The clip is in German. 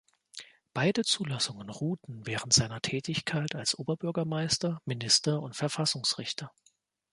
Beide Zulassungen ruhten während seiner Tätigkeit als Oberbürgermeister, Minister und Verfassungsrichter.